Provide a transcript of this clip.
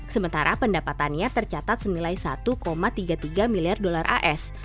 sementara pendapatannya tercatat senilai satu tiga puluh tiga miliar dolar as